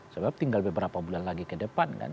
sebab tinggal beberapa bulan lagi ke depan kan